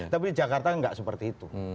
tapi jakarta nggak seperti itu